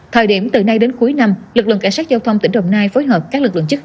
thời điểm từ nay đến cuối năm lực lượng cảnh sát giao thông tỉnh đồng nai phối hợp các lực lượng chức